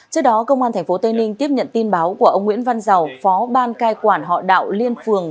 trước đó công an tp tây ninh tiếp nhận tin báo của ông nguyễn văn giàu phó ban cai quản họ đạo liên phường